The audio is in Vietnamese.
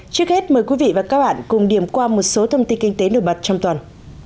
trước hết mời quý vị và các bạn cùng điểm qua một số thông tin kinh tế nổi bật trong tuần